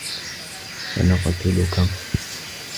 سنقتلك.